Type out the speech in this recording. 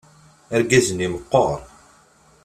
Argaz-nni meqqeṛ.